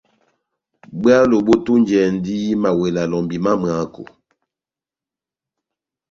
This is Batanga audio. Bwálo bόtunjɛndi mawela lɔmbi má mwako.